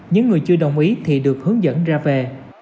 những người chưa đồng ý thì được hướng dẫn ra về